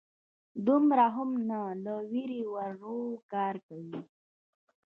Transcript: _دومره هم نه، له وېرې ورو کار کوي.